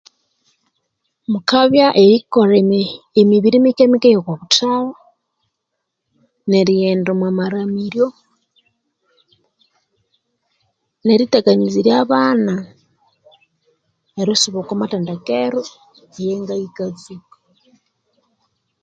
Mukabya erikolha emibiri Mike Mike eyoko buthalha nerighenda omwa amaramiryo, neritakanizirya abana erisuba okwa amathendekero eyenga iyika tsuka.